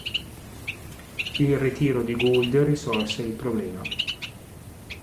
Il ritiro di Gould risolse il problema.